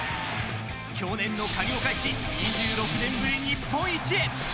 去年の借りを返し２６年ぶり日本一へ。